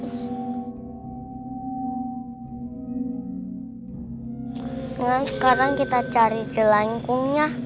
nengdem sekarang kita cari di langkungnya